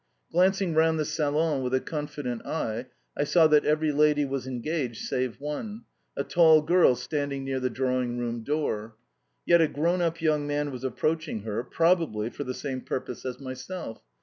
Glancing round the salon with a confident eye, I saw that every lady was engaged save one a tall girl standing near the drawing room door. Yet a grown up young man was approaching her probably for the same purpose as myself!